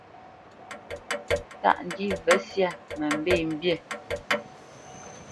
Tâʼ ndî və syâ mə mbê mbî.